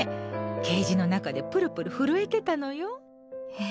ケージの中でプルプル震えてたのよ。